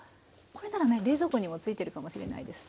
これならね冷蔵庫にもついてるかもしれないです。